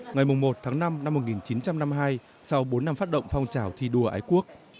ngày một tháng năm năm một nghìn chín trăm năm mươi hai sau bốn năm phát động phong trào thi đua ái quốc